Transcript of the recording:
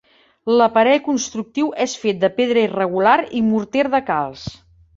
L'aparell constructiu és fet de pedra irregular i morter de calç.